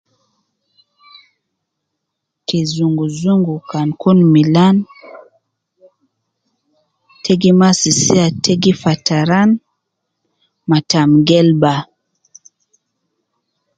Kizunguzungu Kan Kun milan, te gi masi siya te gi fataraan ma tam gelba.